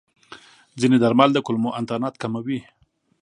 ځینې درمل د کولمو انتانات کموي.